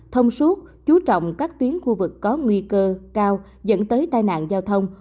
thông suốt chú trọng các tuyến khu vực có nguy cơ cao dẫn tới tai nạn giao thông